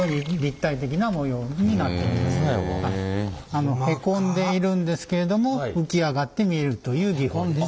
あのへこんでいるんですけれども浮き上がって見えるという技法です。